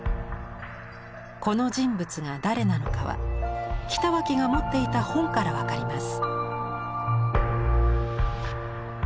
この人物が誰なのかは北脇が持っていた本から分かります。